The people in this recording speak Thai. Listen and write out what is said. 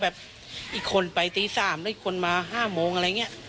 อีกคนไปตี๓แล้วอีกคนมา๕โมงอะไรอย่างนี้